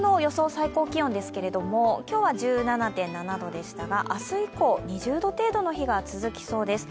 最高気温ですが今日は１７．７度でしたが明日以降、２０度程度の日が続きそうです。